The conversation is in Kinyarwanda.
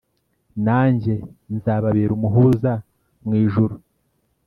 nanjye nzababera umuhuza mu ijuru